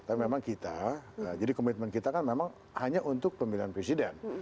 tapi memang kita jadi komitmen kita kan memang hanya untuk pemilihan presiden